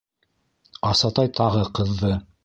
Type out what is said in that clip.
Асатай тағы ҡыҙҙы: